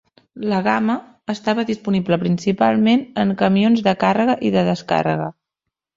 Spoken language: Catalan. La gamma estava disponible principalment en camions de càrrega i de descàrrega.